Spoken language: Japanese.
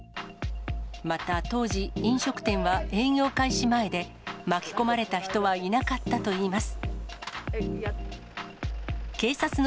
また当時、飲食店は営業開始前で、巻き込まれた人はいなかったといいます。